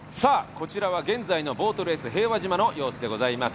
こちらは現在のボートレース平和島の様子でございます。